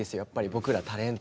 僕らタレントも。